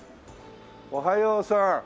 おはようさん。